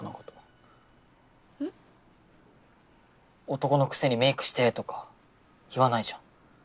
「男のくせにメイクして」とか言わないじゃん。